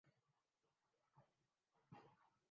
Hungary میں air race کا انعقادپائلٹس کے سٹنٹس نے سب کو چونکا دیا